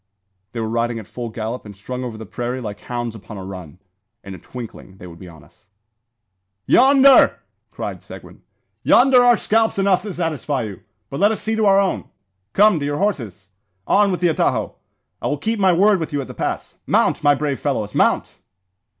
They were riding at full gallop, and strung over the prairie like hounds upon a run. In a twinkling they would be on us. "Yonder!" cried Seguin, "yonder are scalps enough to satisfy you; but let us see to our own. Come! to your horses! On with the atajo! I will keep my word with you at the pass. Mount! my brave fellows, mount!"